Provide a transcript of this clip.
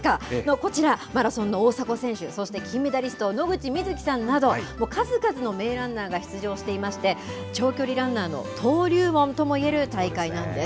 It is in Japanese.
こちら、マラソンの大迫選手、そして金メダリスト、野口みずきさんなど、もう数々の名ランナーが出場していまして、長距離ランナーの登竜門ともいえる大会なんです。